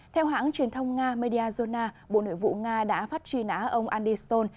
theo hãng truyền thông nga mediazona bộ nội vụ nga đã phát trì nã ông andy stone